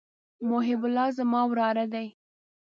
محب الله زما وراره دئ.